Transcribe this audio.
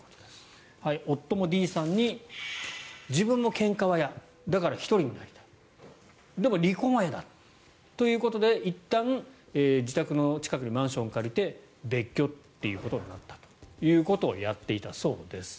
夫もＤさんに自分もけんかは嫌だから１人になりたいでも、離婚は嫌だということでいったん自宅の近くにマンションを借りて別居ということになったということをやっていたそうです。